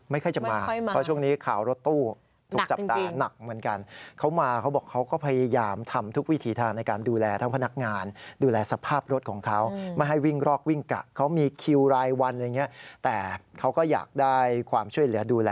ไม่ค่อยจะมาเพราะช่วงนี้ข่าวรถตู้